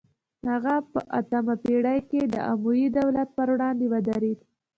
هغه په اتمه پیړۍ کې د اموي دولت پر وړاندې ودرید